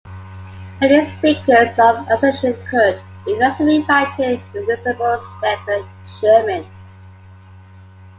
Many speakers of Alsatian could, if necessary, write in reasonable standard German.